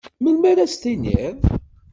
Melmi ara as-tenniḍ?